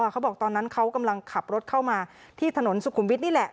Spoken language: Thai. เขาบอกตอนนั้นเขากำลังขับรถเข้ามาที่ถนนสุขุมวิทย์นี่แหละ